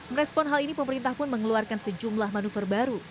merespon hal ini pemerintah pun mengeluarkan sejumlah manuver baru